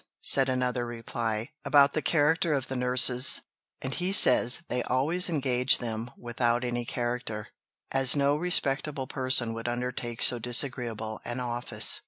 said another reply, "about the character of the nurses, and he says they always engage them without any character, as no respectable person would undertake so disagreeable an office.